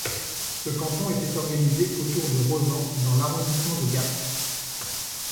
Ce canton était organisé autour de Rosans dans l'arrondissement de Gap.